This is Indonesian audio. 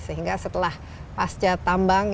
sehingga setelah pasca tambang